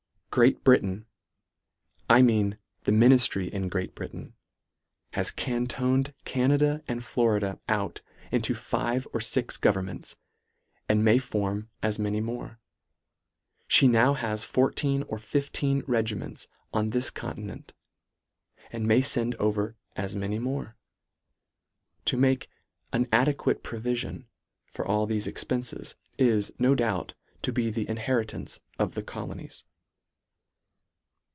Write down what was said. Great Britain 1 mean the miniftry in Great Britain, has cantoned Canada and Florida out into five or fix governments, and may form as many more. She now has fourteen or fifteen regiments on this conti nent ; and may fend over as many more. To make " an adequate provifion" for all thefe expences, is, no doubt, to be the inhe ritance of the colonies.